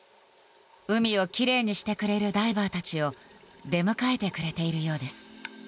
海をきれいにしてくれるダイバーたちを出迎えてくれているようです。